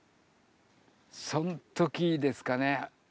そん時ですかね